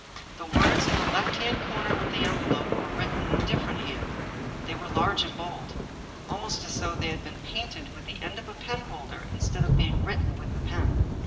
The words in the left hand corner of the envelope were written in a different hand. They were large and bold; almost as though they had been painted with the end of the penholder instead of being written with the pen.